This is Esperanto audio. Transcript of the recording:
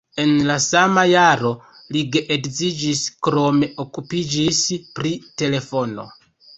En la sama jaro li geedziĝis, krome okupiĝis pri telefono.